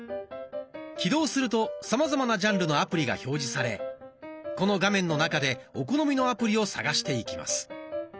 起動するとさまざまなジャンルのアプリが表示されこの画面の中でお好みのアプリを探していきます。